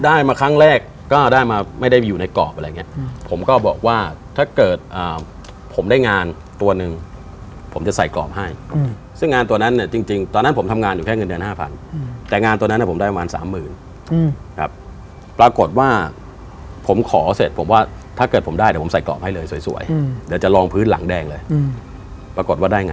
ได้มาครั้งแรกก็ได้มาไม่ได้อยู่ในกรอบอะไรอย่างเงี้ยผมก็บอกว่าถ้าเกิดผมได้งานตัวหนึ่งผมจะใส่กรอบให้ซึ่งงานตัวนั้นเนี่ยจริงตอนนั้นผมทำงานอยู่แค่เงินเดือนห้าพันแต่งานตัวนั้นผมได้ประมาณสามหมื่นครับปรากฏว่าผมขอเสร็จผมว่าถ้าเกิดผมได้เดี๋ยวผมใส่กรอบให้เลยสวยเดี๋ยวจะลองพื้นหลังแดงเลยปรากฏว่าได้ไง